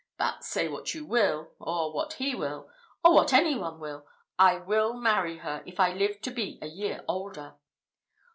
But say what you will, or what he will, or what any one will, I will marry her if I live to be a year older."